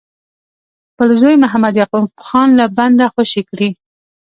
خپل زوی محمد یعقوب خان له بنده خوشي کړي.